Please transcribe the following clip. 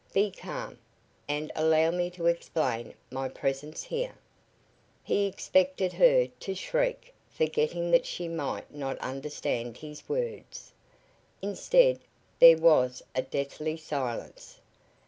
Be calm, and allow me to explain my presence here!" He expected her to shriek, forgetting that she might not understand his words. Instead there was a deathly silence.